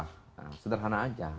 nah sederhana aja